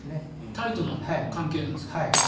タイトな関係なんですか。